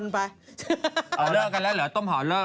ปั๊ม